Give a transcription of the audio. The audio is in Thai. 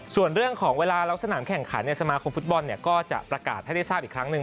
ส่วนเรื่องของเวลาแล้วสนามแข่งขันสมาคมฟุตบอลก็จะประกาศให้ได้ทราบอีกครั้งหนึ่ง